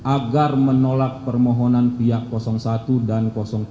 agar menolak permohonan pihak satu dan tiga